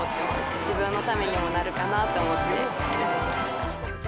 自分のためにもなるかなと思って取りました。